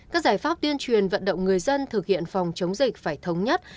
các giải pháp tuyên truyền vận động người dân thực hiện phòng chống dịch phải thống nhất